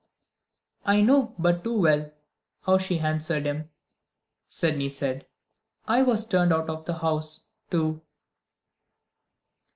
"I know but too well how she answered him," Sydney said; "I was turned out of the house, too."